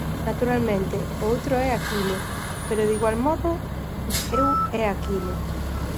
Naturalmente: o Outro é aquilo; pero de igual modo: eu é aquilo.